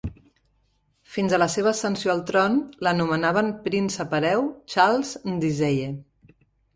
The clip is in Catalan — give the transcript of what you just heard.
Fins a la seva ascensió al tron, l'anomenaven príncep hereu Charles Ndizeye.